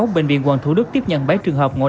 bệnh viện quận thủ đức tiếp nhận bấy trường hợp